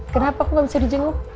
kenapa aku gak bisa di jenguk